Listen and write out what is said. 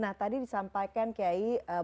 nah tadi disampaikan kyai